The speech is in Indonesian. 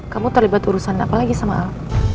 kamu terlibat urusan apa lagi sama al